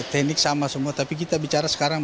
teknik sama semua tapi kita bicara sekarang